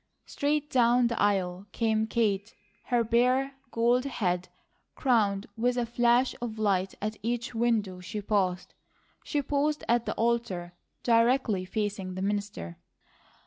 Straight down the aisle came Kate, her bare, gold head crowned with a flash of light at each window she passed. She paused at the altar, directly facing the minister.